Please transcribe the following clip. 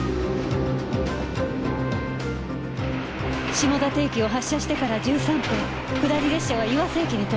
下館駅を発車してから１３分下り列車は岩瀬駅に到着。